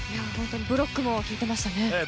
ブロックも効いていましたね。